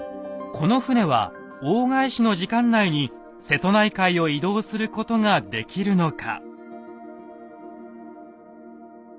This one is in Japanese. この船は大返しの時間内に瀬戸内海を移動することができるのか。